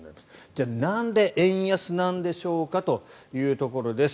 じゃあなんで円安なんでしょうかというところです。